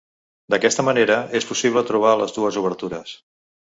D'aquesta manera, és possible trobar les dues obertures.